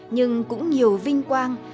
nhưng cũng nhiều vinh quang